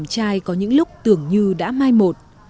đây có những lúc tưởng như đã mai một